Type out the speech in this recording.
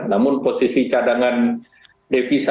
namun posisi cadangan defisit